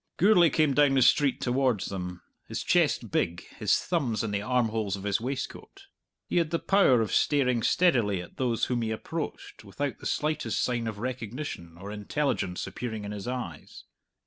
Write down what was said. Gourlay came down the street towards them, his chest big, his thumbs in the armholes of his waistcoat. He had the power of staring steadily at those whom he approached without the slightest sign of recognition or intelligence appearing in his eyes.